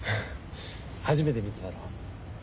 初めて見ただろ？